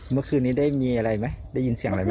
เมื่อคืนนี้ได้มีอะไรไหมได้ยินเสียงอะไรไหม